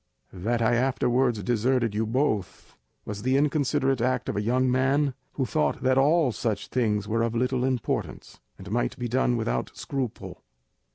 That I afterwards deserted you both was the inconsiderate act of a young man who thought that all such things were of little importance, and might be done without scruple.